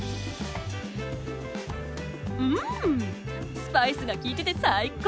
うんスパイスがきいてて最高！